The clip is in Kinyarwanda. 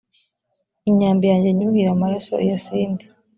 imyambi yanjye nyuhire amaraso iyasinde.